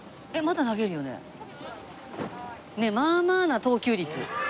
ねえまあまあな投球率。